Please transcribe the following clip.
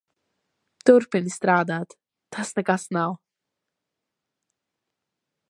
Turpini strādāt. Tas nekas nav.